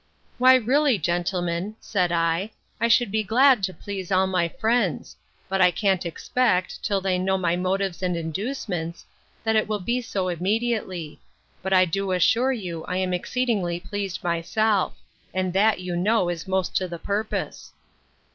'Why, really, gentlemen, said I, I should be glad to please all my friends; but I can't expect, till they know my motives and inducements, that it will be so immediately. But I do assure you, I am exceedingly pleased myself; and that, you know, is most to the purpose.